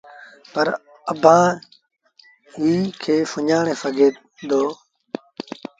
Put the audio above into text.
پر اڀيٚنٚ اُئي کي سُڃآڻي سگھو دآ